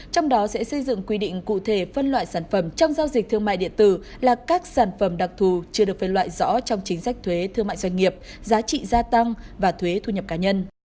trong đó sẽ xây dựng quy định cụ thể phân loại sản phẩm trong giao dịch thương mại điện tử là các sản phẩm đặc thù chưa được phân loại rõ trong chính sách thuế thương mại doanh nghiệp giá trị gia tăng và thuế thu nhập cá nhân